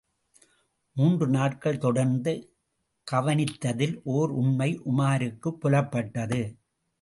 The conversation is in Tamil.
மூன்று நாட்கள் தொடர்ந்து கவனித்ததில் ஓர் உண்மை உமாருக்குப் புலப்பட்டது.